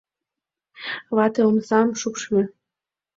Вате омсам шупшыльо.